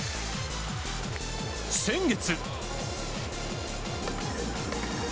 先月。